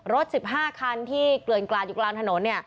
รถ๑๕คันที่เกลือนกลาดอยู่กลางถนน